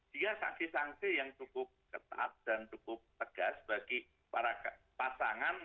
dia saksi saksi yang cukup ketat dan cukup tegas bagi para pasangan yang melakukan pekerjaan